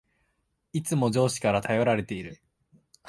いつも上司から頼られている